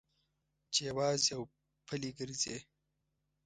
چې یوازې او پلي ګرځې.